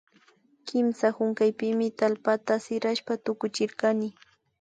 Kimsa hunkaypimi tallpata sirashpa tukuchirkani